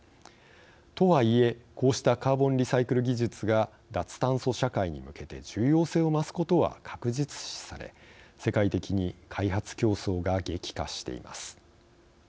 とはいえ、こうしたカーボンリサイクル技術が脱炭素社会に向けて重要性を増すことは確実視され世界的に開発競争が激化しています。